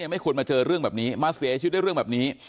ไม่ควรมาเจอเรื่องแบบนี้มาเสียชีวิตด้วยเรื่องแบบนี้